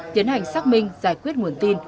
tiến hành xác minh giải quyết nguồn tin